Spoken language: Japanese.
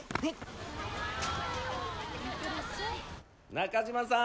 中島さん。